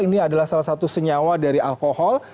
ini adalah salah satu senyawa dari alkohol